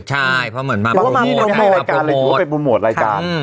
ใช่เพราะเหมือนมาโปรโมทถูกว่าไปโปรโมทรายการ